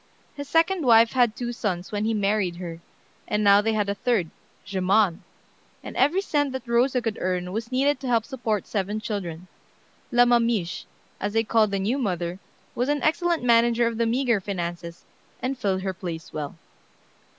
His second wife had two sons when he married her, and now they had a third, Germain, and every cent that Rosa could earn was needed to help support seven children. "La mamiche," as they called the new mother, was an excellent manager of the meagre finances, and filled her place well.